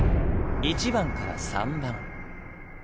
１番から３番。